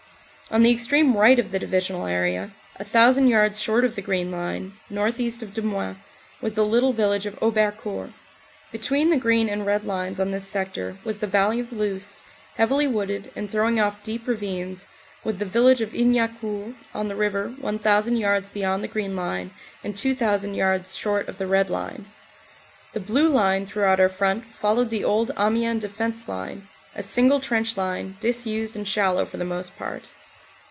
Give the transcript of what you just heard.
On the extreme right of the divisional area, a thousand yards short of the Green Line, northeast of Demuin, was the little village of Aubercourt. Between the Green and the Red Lines on this sector was the valley of the Luce, heavily wooded, and throwing off deep ravines, with the village of Ignaucourt on the river 1,000 yards beyond the Green Line and 2,000 yards short of the Red Line. The Blue Line throughout our front followed the old Amiens Defense Line, a single trench line, disused and shallow for the most part.